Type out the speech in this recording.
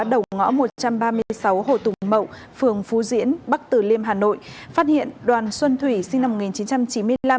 đầu ngõ một trăm ba mươi sáu hồ tùng mậu phường phú diễn bắc tử liêm hà nội phát hiện đoàn xuân thủy sinh năm một nghìn chín trăm chín mươi năm